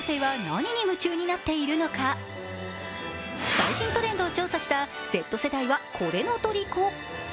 最新トレンドを調査したＺ世代はコレノトリコ。